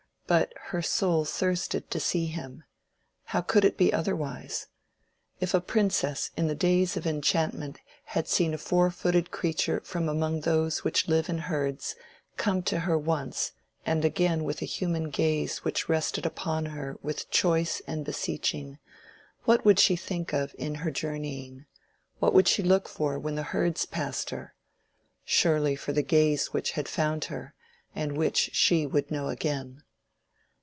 But her soul thirsted to see him. How could it be otherwise? If a princess in the days of enchantment had seen a four footed creature from among those which live in herds come to her once and again with a human gaze which rested upon her with choice and beseeching, what would she think of in her journeying, what would she look for when the herds passed her? Surely for the gaze which had found her, and which she would know again.